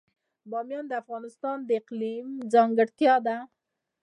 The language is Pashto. بامیان د افغانستان د اقلیم ځانګړتیا ده.